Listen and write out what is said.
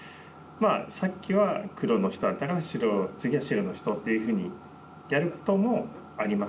さっきは黒の人だから次は白の人っていうふうにやることもあります。